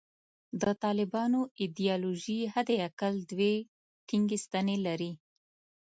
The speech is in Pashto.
د طالبانو ایدیالوژي حد اقل دوې ټینګې ستنې لري.